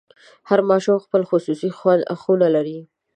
هر ماشوم خپله خصوصي خونه لري.